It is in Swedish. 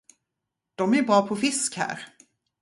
De är bra på fisk här.